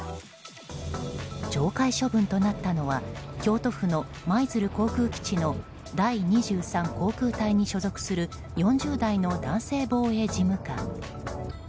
懲戒処分となったのは京都府の舞鶴航空基地の第２３航空隊に所属する４０代の男性防衛事務官。